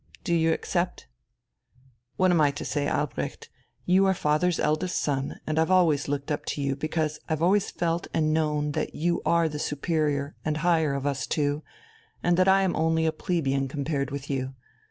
Do you accept?" "What am I to say, Albrecht? You are father's eldest son, and I've always looked up to you because I've always felt and known that you are the superior and higher of us two and that I am only a plebeian compared with you.